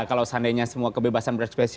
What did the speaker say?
kalau seandainya semua kebebasan berekspresi